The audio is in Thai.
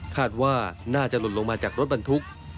คาดว่าน่าจะหล่นลงมาจากรถบรรทุก